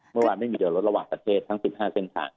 เมื่อวานไม่มีเดินรถระหว่างประเทศทั้ง๑๕เส้นทาง